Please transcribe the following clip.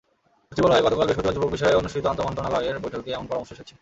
সচিবালয়ে গতকাল বৃহস্পতিবার যুবক বিষয়ে অনুষ্ঠিত আন্তমন্ত্রণালয়ের বৈঠকে এমন পরামর্শ এসেছে।